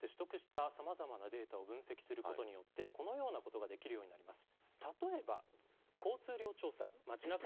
ただ、こうしたＡＩによって取得したさまざまなデータを分析することによってこのようなことができるようになります。